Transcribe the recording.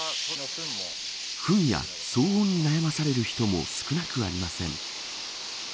ふんや騒音に悩まされる人も少なくありません。